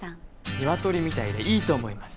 ニワトリみたいでいいと思います。